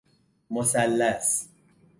مثلث